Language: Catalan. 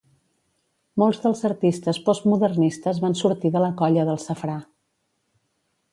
Molts dels artistes postmodernistes van sortir de la Colla del Safrà.